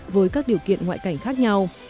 với các điều kiện ngoại cảnh khác nhau